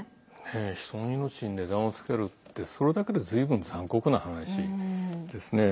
人の命に値段をつけるってそれだけでずいぶん残酷な話ですね。